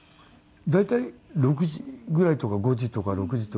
「大体６時ぐらいとか５時とか６時とか」